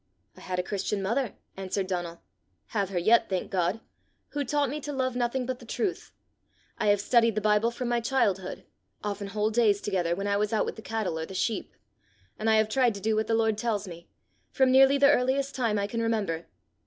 "I had a Christian mother," answered Donal, " have her yet, thank God! who taught me to love nothing but the truth; I have studied the Bible from my childhood, often whole days together, when I was out with the cattle or the sheep; and I have tried to do what the Lord tells me, from nearly the earliest time I can remember.